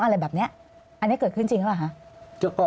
อะไรแบบนี้อันนี้เกิดขึ้นจริงหรือเปล่าคะ